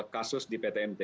kasus di pt mt